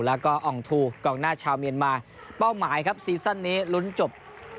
แล้วก็อองทูกองหน้าชาวเมียนมาเป้าหมายครับซีซั่นนี้ลุ้นจบ